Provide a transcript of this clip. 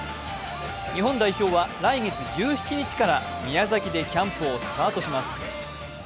日本代表は来月１７日から宮崎でキャンプをスタートします。